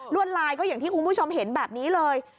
วดลายก็อย่างที่คุณผู้ชมเห็นแบบนี้เลย